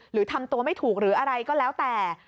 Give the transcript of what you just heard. หรือทำตัวไม่ถูกหรืออะไรก็แล้วแต่